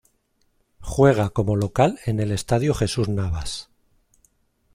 Juega como local en el estadio Jesús Navas.